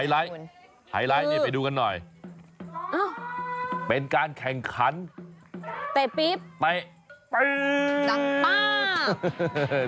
เป็นการแข่งขั้นเตะพีปลองการตายเปลี่ยน